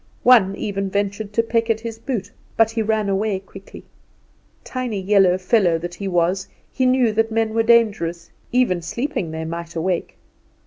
One even ventured to peck at his boot, but he ran away quickly. Tiny, yellow fellow that he was, he knew that men were dangerous; even sleeping they might awake.